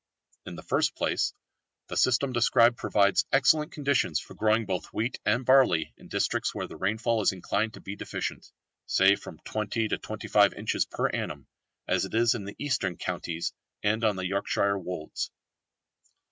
In the first place the system described provides excellent conditions for growing both wheat and barley in districts where the rainfall is inclined to be deficient, say from 20 to 25 inches per annum, as it is in the eastern counties, and on the Yorkshire wolds.